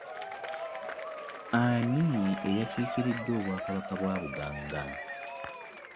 Ani eyakikiridde obwakabaka bwa Buganga?